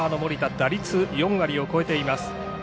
打率４割を超えています。